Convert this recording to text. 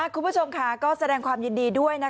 คุณผู้ชมค่ะก็แสดงความยินดีด้วย